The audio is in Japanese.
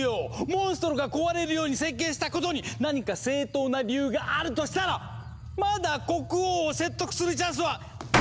モンストロが壊れるように設計したことに何か正当な理由があるとしたらまだ国王を説得するチャンスは！